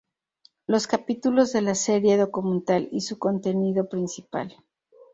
Los capítulos de la serie documental y su contenido principal.